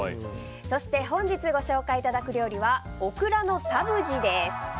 そして本日ご紹介いただく料理はオクラのサブジです。